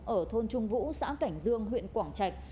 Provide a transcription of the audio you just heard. ở thôn trung vũ xã cảnh dương huyện quảng trạch